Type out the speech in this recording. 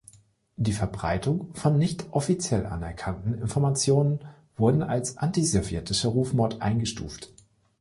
Die Verbreitung von nicht offiziell anerkannten Informationen wurden als „antisowjetischer Rufmord“ eingestuft.